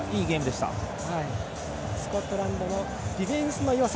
スコットランドのディフェンスのよさ。